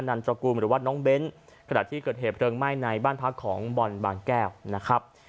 ันตระกูลหรือว่าน้องเบ้นขณะที่เกิดเหตุเพลิงไหม้ในบ้านพักของบอลบางแก้วนะครับ